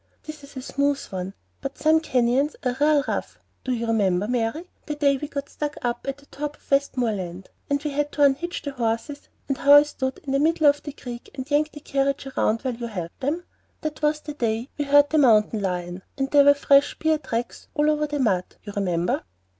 "This is a smooth one; but some canyons are really rough. Do you remember, Mary, the day we got stuck up at the top of the Westmoreland, and had to unhitch the horses, and how I stood in the middle of the creek and yanked the carriage round while you held them? That was the day we heard the mountain lion, and there were fresh bear tracks all over the mud, you remember."